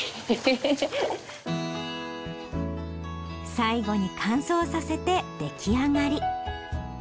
最後に乾燥させて出来上がり。